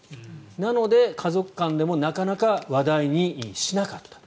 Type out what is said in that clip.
なので、家族間でもなかなか話題にしなかったと。